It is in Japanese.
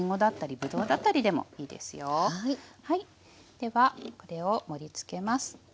ではこれを盛りつけます。